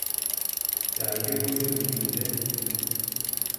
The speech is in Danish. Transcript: jeg har ikke husket min billet